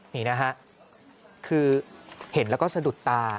นี่นะฮะคือเห็นแล้วก็สะดุดตา